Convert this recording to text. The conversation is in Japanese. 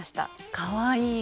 かわいい。